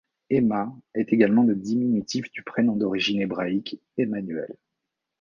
Emma est également le diminutif du prénom d'origine hébraïque Emmanuelle.